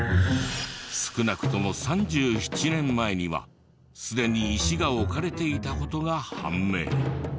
少なくとも３７年前にはすでに石が置かれていた事が判明。